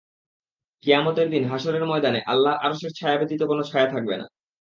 কিয়ামতের দিন হাশরের ময়দানে আল্লাহর আরশের ছায়া ব্যতীত কোনো ছায়া থাকবে না।